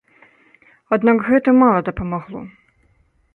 Аднак гэта мала дапамагло.